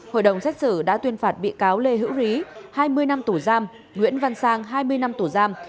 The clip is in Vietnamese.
hội đồng xét xử đã tuyên phạt bị cáo lê hữu rí hai mươi năm tù giam nguyễn văn sang hai mươi năm tù giam